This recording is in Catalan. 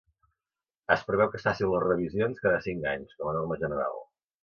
Es preveu que es facin les revisions cada cinc anys, com a norma general.